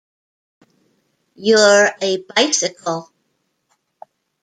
You're a bicycle.